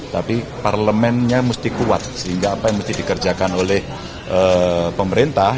tapi parlemennya mesti kuat sehingga apa yang mesti dikerjakan oleh pemerintah